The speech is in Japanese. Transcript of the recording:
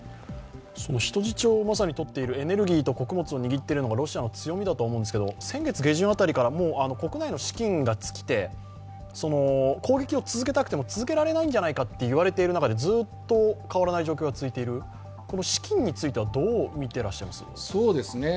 人質をまさにとっているエネルギーと穀物を握っているのがロシアの強みだと思うんですけど、先月下旬あたりから国内の資金が尽きて攻撃を続けたくても続けられないんじゃないかと言われている中でずっと変わらない状況が続いている、資金についてはどう見ていらっしゃいますか。